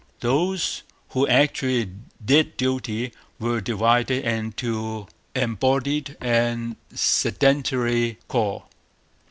Those who actually did duty were divided into 'Embodied' and 'Sedentary' corps.